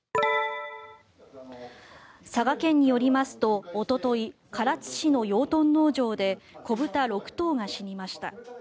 佐賀県によりますとおととい、唐津市の養豚農場で子豚６頭が死にました。